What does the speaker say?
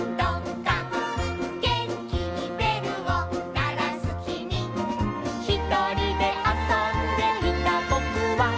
「げんきにべるをならすきみ」「ひとりであそんでいたぼくは」